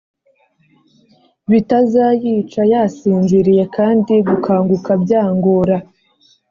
Bitazayica yasinziriye kandi gukanguka byangora